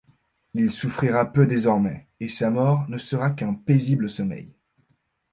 Il souffrira peu désormais, et sa mort ne sera qu’un paisible sommeil.